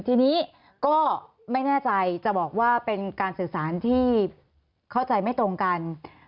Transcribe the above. ทีนี้ก็ไม่แน่ใจจะบอกว่าเป็นการสื่อสารที่เข้าใจไม่ตรงกัน